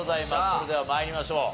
それでは参りましょう。